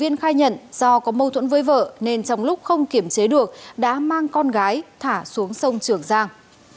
nên trong lúc không kiểm chế được đã mang con gái thả xuống sông trường giang